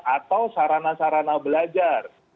atau sarana sarana belajar